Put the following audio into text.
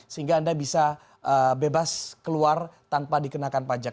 sehingga anda bisa bebas keluar tanpa dikenakan pajak